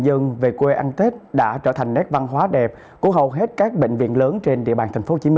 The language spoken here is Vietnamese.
dân về quê ăn tết đã trở thành nét văn hóa đẹp của hầu hết các bệnh viện lớn trên địa bàn tp hcm